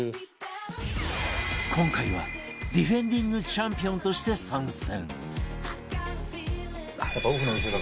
今回はディフェンディングチャンピオンとして参戦